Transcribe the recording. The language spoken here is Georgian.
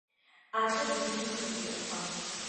ადრე დიღმის ხიდი ერქვა.